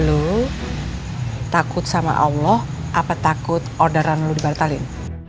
lo takut sama allah apa takut orderan lo dibatalin